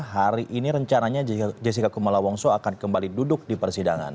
hari ini rencananya jessica kumala wongso akan kembali duduk di persidangan